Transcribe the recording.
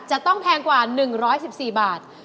จะต้องแพงกว่า๑๑๔บาท